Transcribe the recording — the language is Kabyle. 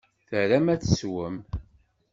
Tram ad tessewwem?